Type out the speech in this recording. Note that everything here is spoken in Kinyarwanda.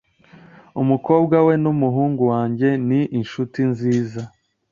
Umukobwa we n'umuhungu wanjye ni inshuti nziza .